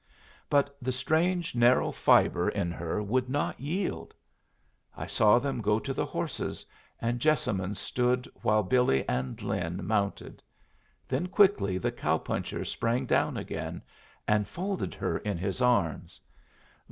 But the strange, narrow fibre in her would not yield! I saw them go to the horses, and Jessamine stood while Billy and Lin mounted. Then quickly the cow puncher sprang down again and folded her in his arms.